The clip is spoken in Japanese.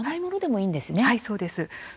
はい、そうです。